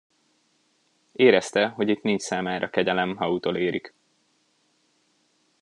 Érezte, hogy itt nincs számára kegyelem, ha utolérik.